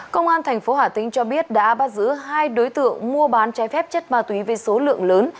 công an tp hà tĩnh cho biết đã bắt giữ hai đối tượng mua bán trái phép chất ma túy với số lượng lớn